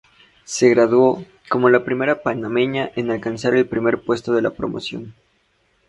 Se graduó como la primera panameña en alcanzar el primer puesto de la promoción.